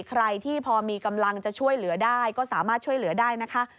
ใครที่พอมีกำลังจะช่วยเหลือได้ก็สามารถช่วยเหลือได้นะคะ